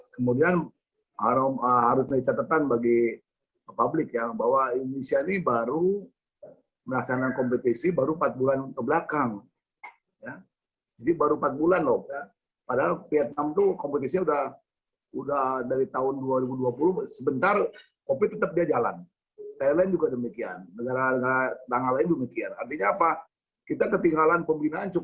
tim tim tim